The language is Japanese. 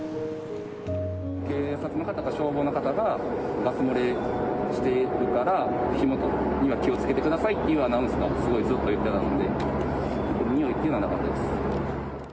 警察の方か消防の方が、ガス漏れしてるから、火元には気をつけてくださいっていうようなアナウンスが、すごいずっと言ってたんで、臭いっていうのはなかったです。